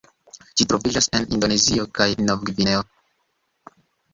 Ĝi troviĝas en Indonezio kaj Novgvineo.